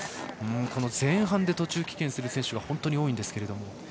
前半で途中棄権する選手が本当に多いんですけれども。